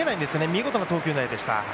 見事な投球内容でした。